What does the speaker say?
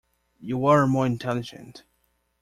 You are more intelligent.